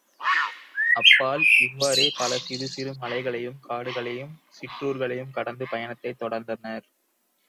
அப்பால் இவ்வாறே பல சிறுசிறு மலைகளையும் காடுகளையும் சிற்றுார்களையும் கடந்து பயணத்தைத் தொடர்ந்தனர்.